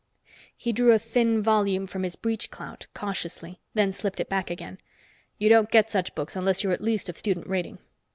He drew a thin volume from his breechclout cautiously, then slipped it back again. "You don't get such books unless you're at least of student rating."